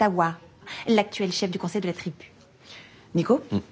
うん。